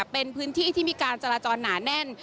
เป็นพื้นที่ที่มีการจราจรหนาแน่น